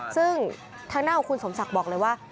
ซึ่งทางด้านของคุณสมศักดิ์บอกเลยว่า